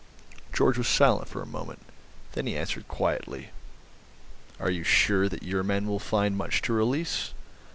Georg was silent for a moment; then he answered quietly: "Are you sure that your men will find much to release?